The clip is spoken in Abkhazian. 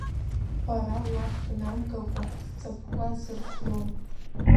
Бара уахь бнамгакәа сҵатәқәа сырхион.